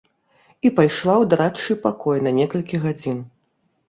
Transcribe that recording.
І пайшла ў дарадчы пакой на некалькі гадзін.